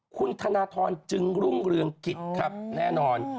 คุณธนทรจึงรุ่งเรืองกิจครับแน่นอน